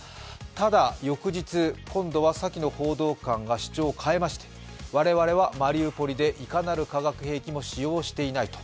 ただ、翌日、今度はさきの報道官が主張を変えまして我々はマリウポリでいかなる化学兵器も使用していないと。